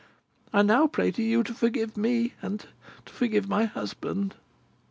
I now pray to you to forgive me, and to forgive my husband.